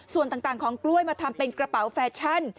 ส่วนต่างของกล้วยมาทำเป็นกระเป๋าแฟชั่น